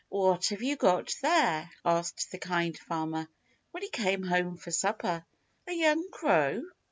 "What have you got there," asked the Kind Farmer when he came home for supper, "a young crow?"